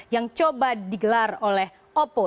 yang coba digelar oleh oppo